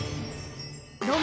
どうも！